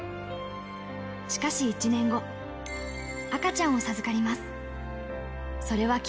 しかし１年後、赤ちゃんを授かります。